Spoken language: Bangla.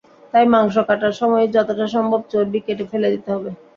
তাই মাংস কাটার সময়ই যতটা সম্ভব চর্বি কেটে ফেলে দিতে হবে।